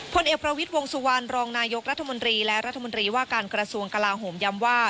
พลเอกประวิทย์วงสุวรรณรองนายกรัฐมนตรีและรัฐมนตรีว่าการกระทรวงกลาโหมย้ำว่า